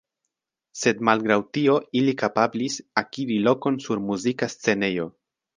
Sed malgraŭ tio ili kapablis akiri lokon sur muzika scenejo.